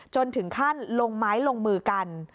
จนถึงขั้นลงไม้ลงมือกัน